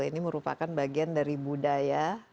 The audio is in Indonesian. ini merupakan bagian dari budaya